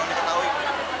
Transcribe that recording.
sebenarnya nggak tahu itu